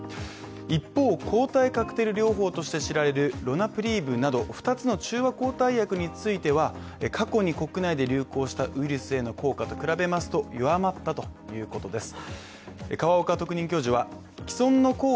一方、抗体カクテル療法として知られるロナプリーブなど２つの中和抗体役については過去に国内で流行したウイルスと効果と比べますと、弱まったということです。